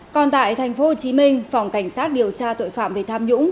còn tại tp hcm phòng cảnh sát điều tra tội phạm về tham nhũng